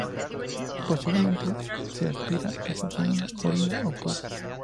Posteriormente se aspira hasta obtener orina o pus.